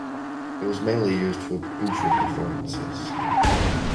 It was mainly used for bufo performances.